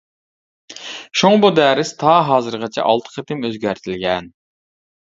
شۇڭا بۇ دەرس تا ھازىرغىچە ئالتە قېتىم ئۆزگەرتىلگەن.